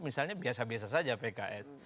misalnya biasa biasa saja pks